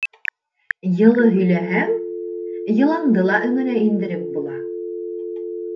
Йылы һөйләһәң, йыланды ла өңөнә индереп була.